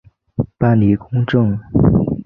办理公证